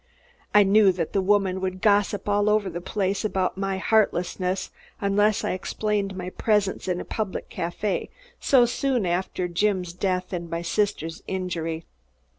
I knew that the woman would gossip all over the place about my heartlessness, unless I explained my presence in a public café so soon after Jim's death and my sister's injury.